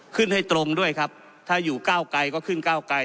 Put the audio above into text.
ให้ตรงด้วยครับถ้าอยู่ก้าวไกลก็ขึ้นก้าวไกล